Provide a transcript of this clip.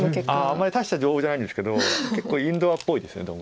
あんまり大した情報じゃないんですけど結構インドアっぽいですどうも。